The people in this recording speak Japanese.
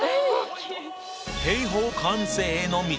平方完成への道